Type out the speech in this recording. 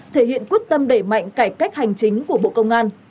thể hiện quyết tâm đẩy mạnh cải cách hành chính của bộ công an